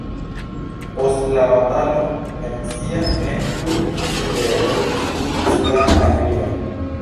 Post la batalo Mercia ne plu superregis sudan Anglion.